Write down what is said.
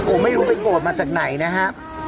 ผมไม่รู้ไปโกรธมาจากไหนนะฮะ